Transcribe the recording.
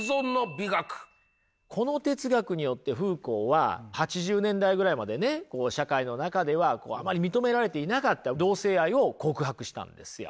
この哲学によってフーコーは８０年代ぐらいまでねこう社会の中ではあまり認められていなかった同性愛を告白したんですよ。